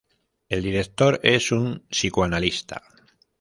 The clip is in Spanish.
El director es un psicoanalista.